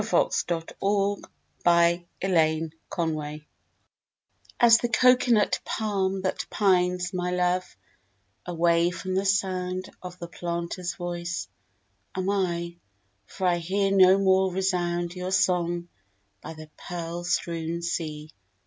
A SINGHALESE LOVE LAMENT As the cocoanut palm That pines, my love, Away from the sound Of the planter's voice, Am I, for I hear No more resound Your song by the pearl strewn sea!